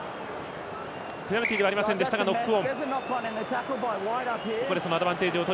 ペナルティはありませんでしたがノックオン。